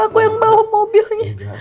aku yang bawa mobilnya